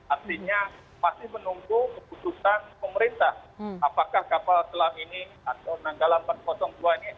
artinya masih menunggu keputusan pemerintah apakah kapal selam ini atau nanggala empat ratus dua ini